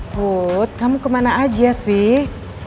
put kamu kemana aja sih